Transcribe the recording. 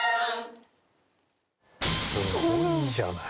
すごいじゃない！